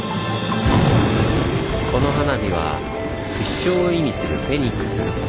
この花火は不死鳥を意味する「フェニックス」。